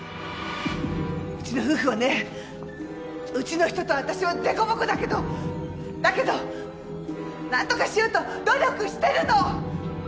うちの夫婦はねうちの人と私は凸凹だけどだけどなんとかしようと努力してるの！